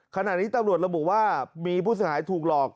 ขณะนี้ตำรวจระบุว่ามีผู้เสียหายถูกหลอก